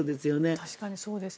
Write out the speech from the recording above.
確かにそうですね。